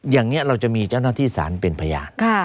อย่างนี้เราจะมีเจ้าหน้าที่สารเป็นพยาน